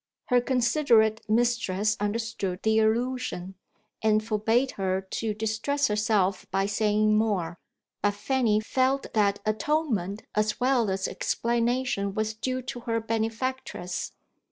Her considerate mistress understood the allusion, and forbade her to distress herself by saying more. But Fanny felt that atonement, as well as explanation, was due to her benefactress.